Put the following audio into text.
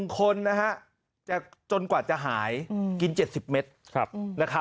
๑คนจนกว่าจะหายกิน๗๐เมตร